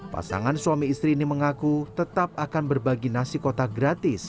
pasangan suami istri ini mengaku tetap akan berbagi nasi kotak gratis